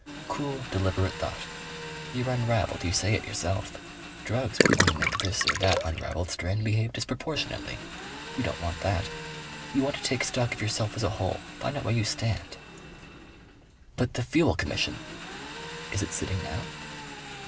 Cool deliberate thought. You're unravelled. You say it yourself. Drugs will only make this or that unravelled strand behave disproportionately. You don't want that. You want to take stock of yourself as a whole find out where you stand. "But the Fuel Commission?" "Is it sitting now?"